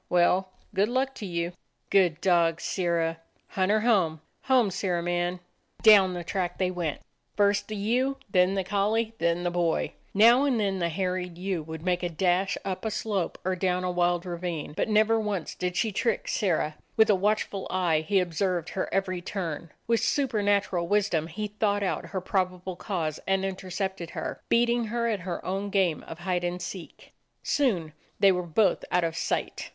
Well, good luck to you." "Good dog, Sirrah! Hunt her home; home, Sirrah man!" Down the track they went; first the ewe, then the collie, then the boy. Now and then the harried ewe would make a dash up a slope or down a wild ravine; but never once did she 79 DOG HEROES OF MANY LANDS trick Sirrah. With a watchful eye he ob served her every turn, with supernatural wisdom he thought out her probable course and intercepted her, beating her at her own game of hide and seek. Soon they were both out of sight.